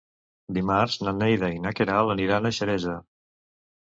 Dimarts na Neida i na Queralt aniran a Xeresa.